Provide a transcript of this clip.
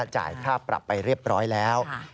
จ่ายค่าปรับไปเรียบร้อยแล้ว